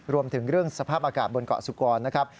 รวมถึงเรื่องสภาพอากาศบนเกาะสุกรนะครับ